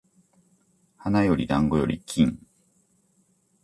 花より団子より金